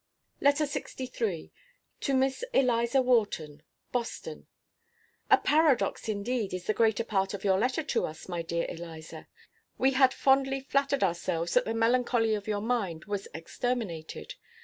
LETTER LXIII. TO MISS ELIZA WHARTON. BOSTON. A paradox, indeed, is the greater part of your letter to us, my dear Eliza. We had fondly flattered ourselves that the melancholy of your mind was exterminated.